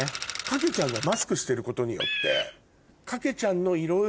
かけちゃんがマスクしてることによって。